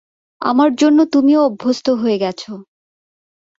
আমার জন্যে তুমিও অভ্যস্ত হয়ে গেছো।